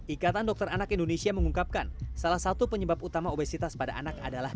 ikatan dokter anak indonesia mengungkapkan salah satu penyebab utama obesitas pada anak adalah